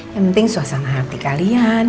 yang penting suasana hati kalian